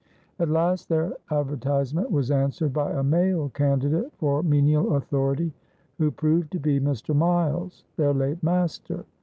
At last their advertisement was answered by a male candidate for menial authority, who proved to be Mr. Miles, their late master.